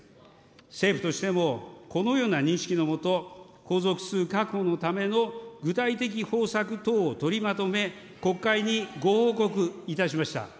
政府としてもこのような認識の下、皇族数確保のための具体的方策等を取りまとめ、国会にご報告いたしました。